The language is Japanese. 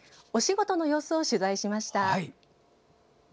お仕事の様子を取材しました。